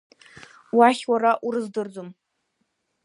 Уахь уара урыздырӡом!